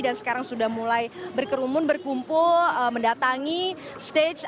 dan sekarang sudah mulai berkerumun berkumpul mendatangi stage